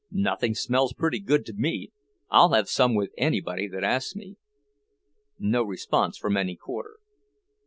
"Nothing smells pretty good to me. I'll have some with anybody that asks me." No response from any quarter.